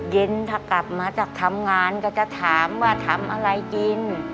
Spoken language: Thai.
เย็นถ้ากลับมาจากทำงานก็จะถามว่าทำอะไรกิน